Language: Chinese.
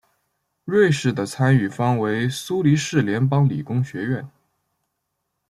瑞士的参与方为苏黎世联邦理工学院。